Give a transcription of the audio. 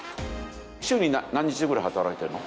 週に何日ぐらい働いてるの？